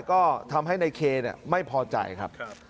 ก็ทำให้ในเคไม่พอใจครับ